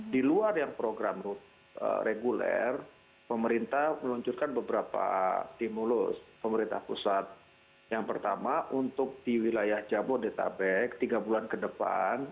di luar yang program reguler pemerintah meluncurkan beberapa stimulus pemerintah pusat yang pertama untuk di wilayah jabodetabek tiga bulan ke depan